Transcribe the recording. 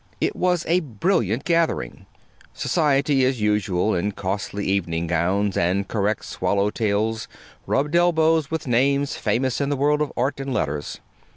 It was a brilliant gathering. Society, as usual, in costly evening gowns and correct swallow tails rubbed elbows with names famous in the world of Art and Letters.